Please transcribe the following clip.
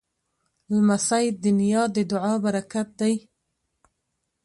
لمسی د نیا د دعا پرکت دی.